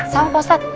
sama pak ustadz